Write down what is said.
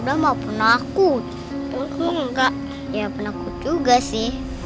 cuma penakut nggak ya pernah ku juga sih